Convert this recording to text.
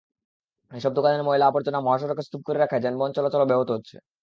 এসব দোকানের ময়লা-আবর্জনা মহাসড়কে স্তূপ করে রাখায় যানবাহন চলাচলও ব্যাহত হচ্ছে।